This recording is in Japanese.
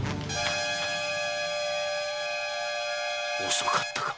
遅かったか！